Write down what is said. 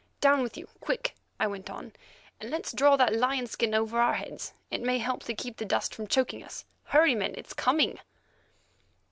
"Down with you, quick," I went on, "and let's draw that lion skin over our heads. It may help to keep the dust from choking us. Hurry, men; it's coming!"